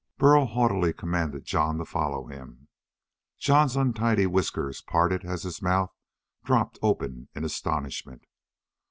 Burl haughtily commanded Jon to follow him. Jon's untidy whiskers parted as his mouth dropped open in astonishment.